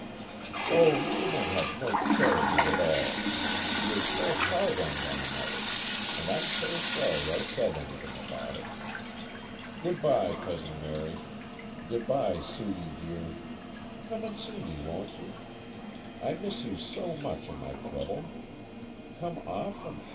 "O you men have no charity at all. You're so hard on one another, and I'm so sorry I said anything about it. Good by, Cousin Mary. Good by, Sudie dear. Come and see me, won't you? I miss you so much in my trouble. Come often.